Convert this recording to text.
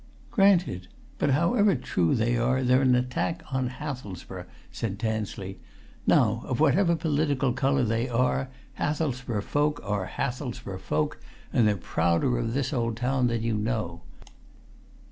"Granted! But, however true they are, they're an attack on Hathelsborough," said Tansley. "Now, of whatever political colour they are, Hathelsborough folk are Hathelsborough folk, and they're prouder of this old town than you know.